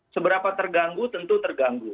seberapa terganggu tentu terganggu